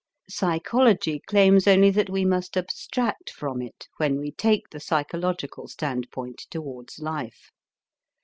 Psychology claims only that we must abstract from it, when we take the psychological standpoint towards life.